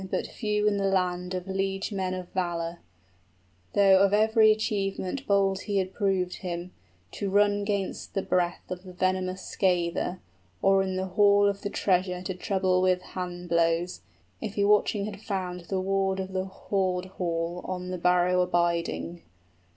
} 15 But few in the land of liegemen of valor, Though of every achievement bold he had proved him, To run 'gainst the breath of the venomous scather, Or the hall of the treasure to trouble with hand blows, If he watching had found the ward of the hoard hall 20 On the barrow abiding.